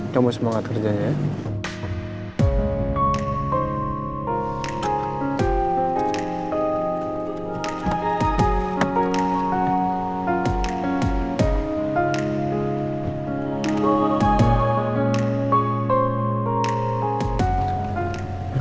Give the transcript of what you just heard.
temu semangat kerjanya ya